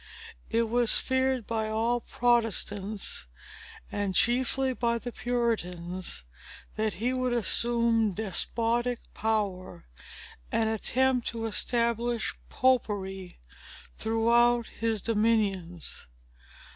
It was feared by all Protestants, and chiefly by the Puritians, that he would assume despotic power, and attempt to establish Popery throughout his dominions.